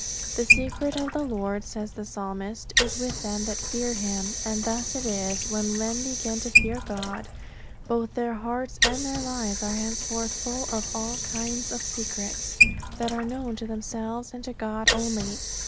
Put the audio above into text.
The secret of the Lord, says the Psalmist, is with them that fear Him. And thus it is that when men begin to fear God, both their hearts and their lives are henceforth full of all kinds of secrets that are known to themselves and to God only.